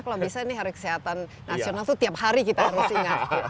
kalau bisa ini hari kesehatan nasional itu tiap hari kita harus ingat